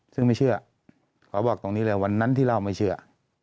ซึ่งไม่เชื่อขอบอกตรงนี้เลยวันนั้นที่เล่าไม่เชื่อ